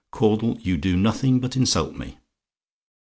"Caudle, you do nothing but insult me.